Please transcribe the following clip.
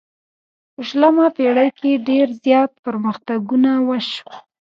په شلمه پیړۍ کې ډیر زیات پرمختګونه وشول.